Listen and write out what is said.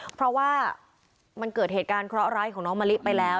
เพราะว่ามันเกิดเหตุการณ์เคราะหร้ายของน้องมะลิไปแล้ว